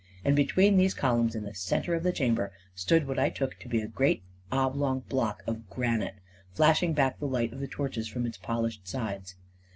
And between these columns, in the centre of the chamber, stood what I took to be a great oblong block of granite, flashing back the light of the torches from its polished sides.